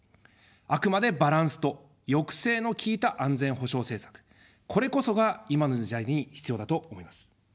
あくまでバランスと抑制の効いた安全保障政策、これこそが今の時代に必要だと思います。